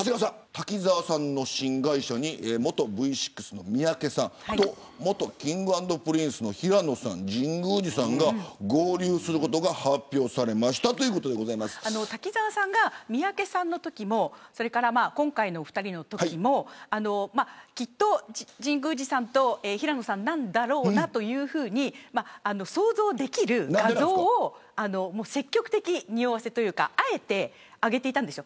滝沢さんの新会社に元Ｖ６の三宅さんと元Ｋｉｎｇ＆Ｐｒｉｎｃｅの平野さん、神宮寺さんが滝沢さんが、三宅さんのときも今回のお二人のときもきっと神宮寺さんと平野さんなんだろうなというふうに想像できる画像を積極的に匂わせというかあえて上げていたんです。